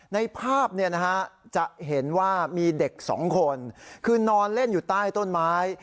ในภาพจะเห็นว่ามีเด็กสองคนคือนอนเล่นอยู่ใต้ต้นไม้